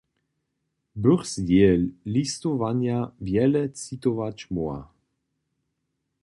Bych z jeje listowanja wjele citować móhła.